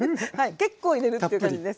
結構入れるという感じです。